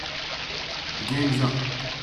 The game is up